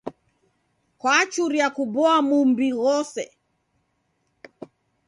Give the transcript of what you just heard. Kwachuria kuboa muw'i ghose.